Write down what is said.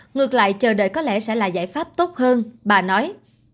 ngược lại chờ đợi có lẽ sẽ là giải pháp tốt hơn bà nói